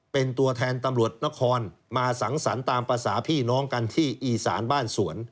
เป็นตัวแทนตำรวจนครมาสังสรรค์ตามภาษาพี่น้องกันที่อีสานบ้านสวน